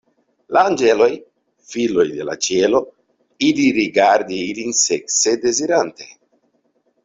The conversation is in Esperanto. La anĝeloj, filoj de la ĉielo, ili rigardi ilin sekse dezirante.